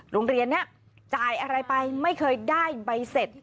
โรงเรียนนี้จ่ายอะไรไปไม่เคยได้ใบเสร็จ